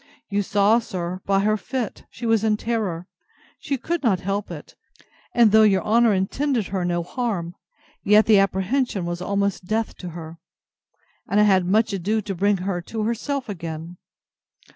You saw, sir, by her fit, she was in terror; she could not help it; and though your honour intended her no harm, yet the apprehension was almost death to her: and I had much ado to bring her to herself again.